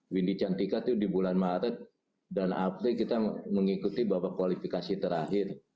windy cantik atuh di bulan maret dan april kita mengikuti bahwa kualifikasi terakhir